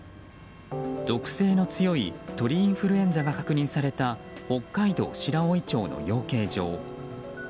毒性の強い鳥インフルエンザが確認された北海道白老町の養鶏場。